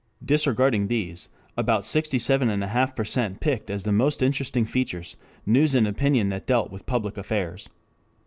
Disregarding these, about sixty seven and a half percent picked as the most interesting features news and opinion that dealt with public affairs.